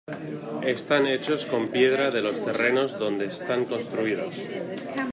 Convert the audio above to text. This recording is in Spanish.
Están hechos con piedra de los terrenos donde están construidos.